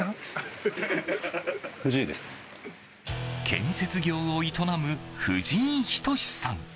建築業を営む藤井等さん。